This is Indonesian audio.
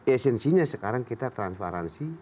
esensinya sekarang kita transparansi